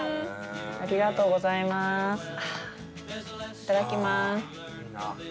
いただきます。